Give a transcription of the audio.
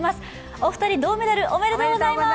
お二人、銅メダルおめでとうございます！